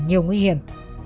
nhiều nguy hiểm